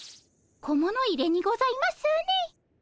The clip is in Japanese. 小物入れにございますね。